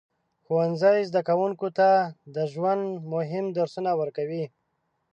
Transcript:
ښوونځی زده کوونکو ته د ژوند مهم درسونه ورکوي.